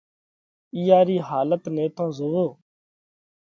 اِيئا رِي حالت نئہ تو زوئو۔